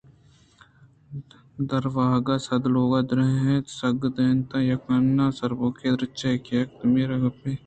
در وگ صد لوگ آدرٛ ہیت سگ ءِ دنتان یک انار ءُ سُرٛوپی درٛچکے یکّ ءُ دومی ءَ را پرے گپّ ءَایر جَنگ ءَ اِتنت